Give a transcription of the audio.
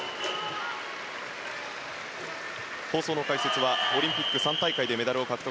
放送の解説はオリンピック３大会でメダル獲得